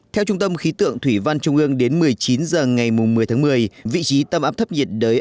theo trung tâm khí tượng thủy văn trung ương đến một mươi chín h ngày một mươi tháng một mươi vị trí tâm áp thấp nhiệt đới